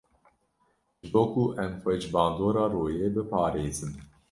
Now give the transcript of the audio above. Ji bo ku em xwe ji bandora royê biparêzin.